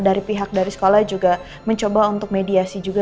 dari pihak dari sekolah juga mencoba untuk mediasi juga